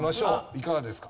いかがですか？